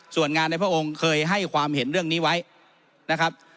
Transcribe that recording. ส่วนงานในพระองค์เคยให้ความเห็นเรื่องนี้ไว้นะครับ